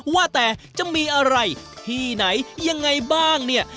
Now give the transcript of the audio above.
ว่าแต่จะมีอะไรที่ไหนยังไงบ้างเนี่ย